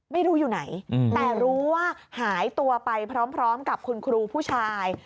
ไม่รู้อยู่ไหนแต่รู้ว่าหายตัวไปพร้อมกับคุณครูผู้ชาย